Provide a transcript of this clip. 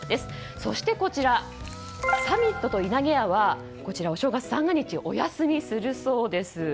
そして、サミットといなげやはお正月三が日をお休みするそうです。